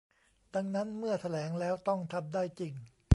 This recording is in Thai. ดังนั้นเมื่อแถลงแล้วต้องทำได้จริง